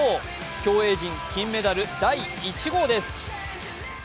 競泳陣金メダル第１号です。